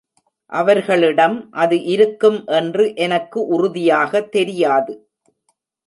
அவர்களிடம் அது இருக்கும் என்று எனக்கு உறுதியாக தெரியாது.